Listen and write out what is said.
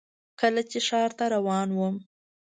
کله چې ښار ته روان وم .